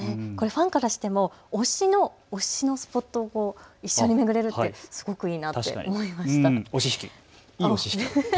ファンからしてもオシのスポットを一緒に巡れるって、すごくいいなと思いました。